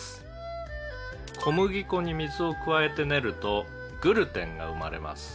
「小麦粉に水を加えて練るとグルテンが生まれます」